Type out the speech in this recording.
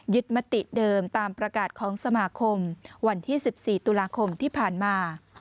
มติเดิมตามประกาศของสมาคมวันที่๑๔ตุลาคมที่ผ่านมา